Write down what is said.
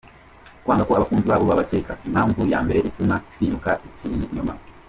Kwanga ko abakunzi babo babakeka; impamvu ya mbere ituma bimika ikinyoma.